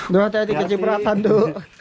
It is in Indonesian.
aduh tadi kecipratan duh